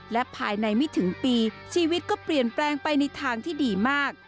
และภายในไม่ถึงปีชีวิตก็เปลี่ยนแปลงไปในทางที่ดีมาก